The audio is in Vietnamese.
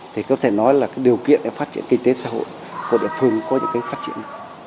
thì có thể nói là cái điều kiện để phát triển kinh tế xã hội của địa phương có những cái phát triển